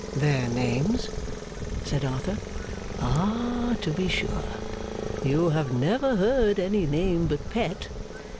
'Their names?' said Arthur. 'Ah, to be sure! You have never heard any name but Pet.